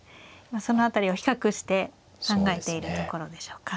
その辺りを比較して考えているところでしょうか。